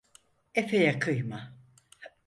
Efeye kıyma…